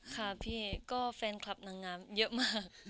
ค่ะพี่ก็แฟนคลับนางงามเยอะมาก